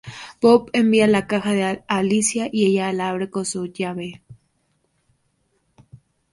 Bob envía la caja a Alicia y ella la abre con su llave.